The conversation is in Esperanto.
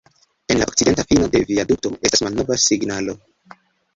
En la okcidenta fino de viadukto estas malnova signalo.